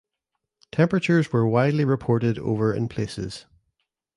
Temperatures were widely reported over in places.